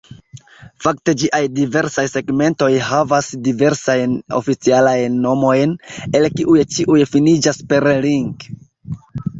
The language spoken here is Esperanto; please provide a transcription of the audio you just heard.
Fakte ĝiaj diversaj segmentoj havas diversajn oficialajn nomojn, el kiuj ĉiuj finiĝas per "-ring".